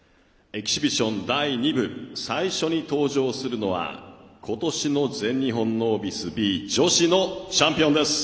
エキシビション第２部、最初に登場するのは今年の全日本ノービスＢ女子のチャンピオンです。